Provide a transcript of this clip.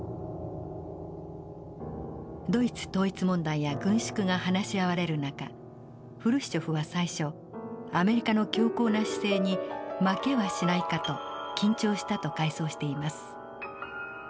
ドイツ統一問題や軍縮が話し合われる中フルシチョフは最初アメリカの強硬な姿勢に負けはしないかと緊張したと回想しています。